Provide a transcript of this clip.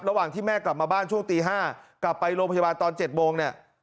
ระหว่างที่แม่กลับมาบ้านช่วงตี๕กลับไปโรงพยาบาลตอน๗โมงเนี่ย